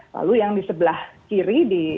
lalu yang di sebelah kiri